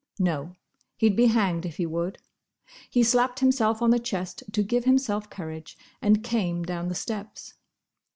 No! He'd be hanged if he would. He slapped himself on the chest to give himself courage, and came down the steps.